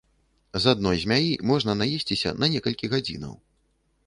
З адной змяі можна наесціся на некалькі гадзінаў!